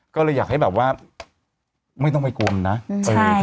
ก็เลยอยากให้แบบว่าไม่ต้องไปกลัวมันนะเออ